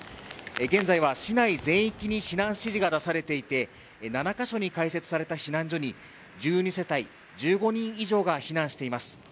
現在は市内全域に避難指示が出されていて７か所に開設された避難所に１２世帯１５人以上が避難しています。